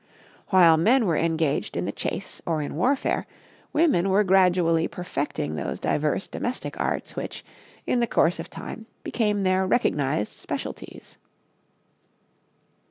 While men were engaged in the chase or in warfare, women were gradually perfecting those divers domestic arts which, in the course of time, became their recognized specialties.